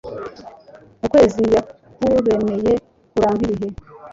Ukwezi yakuremeye kuranga ibihe